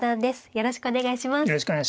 よろしくお願いします。